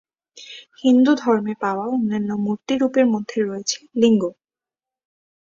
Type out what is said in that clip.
হিন্দুধর্মে পাওয়া অন্যান্য মুর্তি রূপের মধ্যে রয়েছে লিঙ্গ।